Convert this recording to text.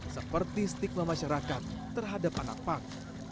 seperti stigma masyarakat terhadap anak pang